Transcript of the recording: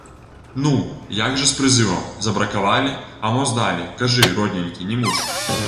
Ну, як жа з прызывам, забракавалі, а мо здалі, кажы, родненькі, не муч.